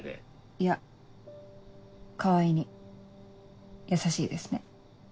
いや川合に優しいですね。